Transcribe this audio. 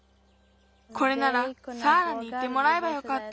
これならサーラにいてもらえばよかった。